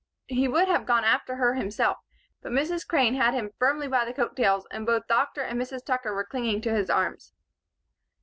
He would have gone after her himself, but Mrs. Crane had him firmly by the coat tails and both Dr. and Mrs. Tucker were clinging to his arms.